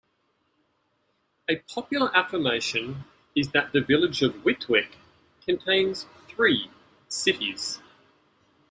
A popular affirmation is that the village of Whitwick contains three 'cities'.